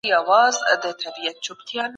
څوک د کوچیانو د ژوند د ښه والي لپاره کار کوي؟